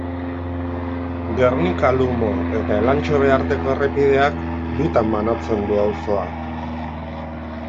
Gernika-Lumo eta Elantxobe arteko errepideak bitan banatzen du auzoa.